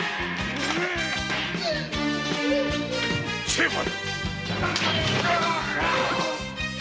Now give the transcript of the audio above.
成敗！